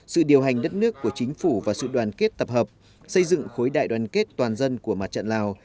sự điều hành đất nước của chính phủ và sự đoàn kết tập hợp xây dựng khối đại đoàn kết toàn dân của mặt trận lào